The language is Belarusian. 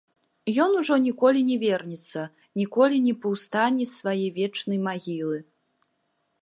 Ён ужо ніколі не вернецца, ніколі не паўстане з свае вечнай магілы.